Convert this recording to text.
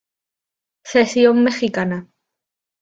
Cesión Mexicana.